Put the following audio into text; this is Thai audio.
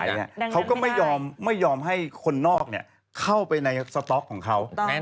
อ่ะเขาก็ไม่ยอมไม่ยอมให้คนนอกเนี่ยเข้าไปในของเขาแน่นอน